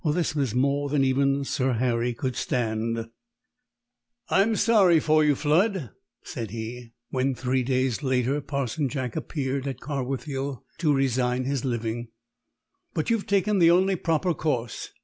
This was more than even Sir Harry could stand. "I'm sorry for you, Flood," said he, when, three days later, Parson Jack appeared at Carwithiel to resign his living. "But you've taken the only proper course.